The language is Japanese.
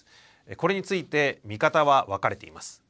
これについて見方は分かれています。